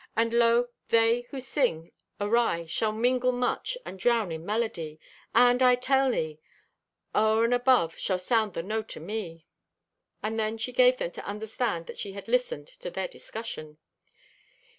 And lo, they who sing awry shall mingle much and drown in melody. And I tell thee, o'er and above shall sound the note o' me!" And then she gave them to understand that she had listened to their discussion!